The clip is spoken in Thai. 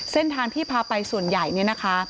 เส้นทางที่พาไปส่วนใหญ่เนี่ยนะคะ